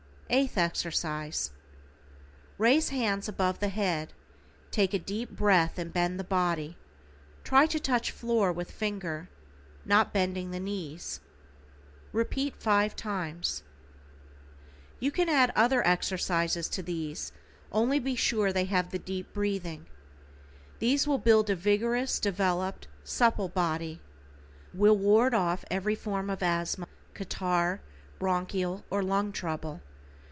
=EIGHTH EXERCISE:= Raise hands above the head, take a deep breath and bend the body, try to touch floor with finger, not bending the knees. Repeat 5 times. You can add other exercises to these, only be sure they have the deep breathing. These will build a vigorous, developed, supple body. Will ward off every form of asthma, catarrh, bronchial or lung trouble.